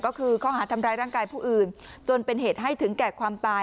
ก็คือข้อหาทำร้ายร่างกายผู้อื่นจนเป็นเหตุให้ถึงแก่ความตาย